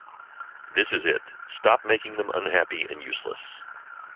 This is it: stop making them unhappy and useless.